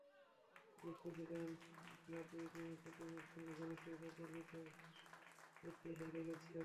রুশ president Vladimir পুতিনের সঙ্গে ঘনিষ্ঠ হিসেবে পরিচিত এতে হেরে গেছেন।